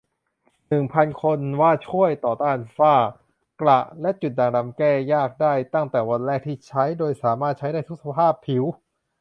หนึ่งพัน คน ว่าช่วยต่อต้านฝ้า กระ และจุดด่างดำแก้ยากได้ตั้งแต่วันแรกที่ใช้ โดยสามารถใช้ได้ทุกสภาพผิว